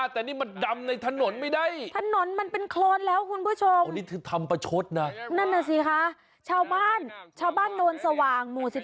ตีท็อกรองถุง